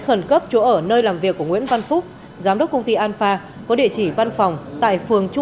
khẩn cấp chỗ ở nơi làm việc của nguyễn văn phúc